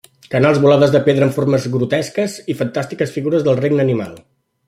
Canals volades de pedra en formes grotesques i fantàstiques figures del regne animal.